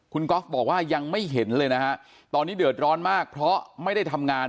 คุณก๊อฟบอกว่ายังไม่เห็นเลยนะฮะตอนนี้เดือดร้อนมากเพราะไม่ได้ทำงาน